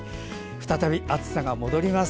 再び暑さが戻ります。